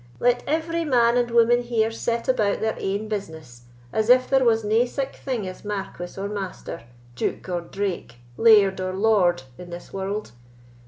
"Let every man and woman here set about their ain business, as if there was nae sic thing as marquis or master, duke or drake, laird or lord, in this world.